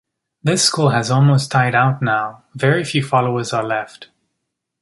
This school has almost died out now; very few followers are left.